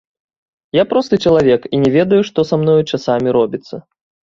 Я просты чалавек і не ведаю, што са мною часамі робіцца.